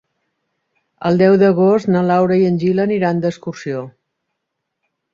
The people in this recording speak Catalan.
El deu d'agost na Laura i en Gil aniran d'excursió.